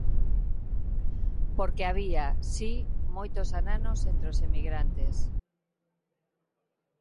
Porque había, si, moitos ananos entre os emigrantes.